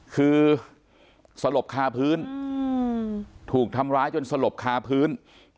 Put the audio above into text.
คือสลบคาพื้นถูกทำร้ายจนสลบคาพื้น